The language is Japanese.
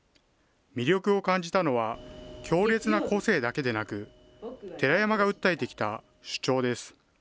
魅力を感じたのは、強烈な個性だけでなく、寺山が訴えてきた主張です。